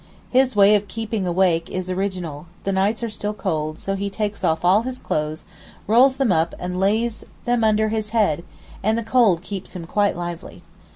His way of keeping awake is original; the nights are still cold, so he takes off all his clothes, rolls them up and lays them under his head, and the cold keeps him quite lively.